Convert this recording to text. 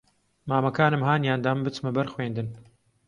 مامەکانم ھانیان دام بچمە بەر خوێندن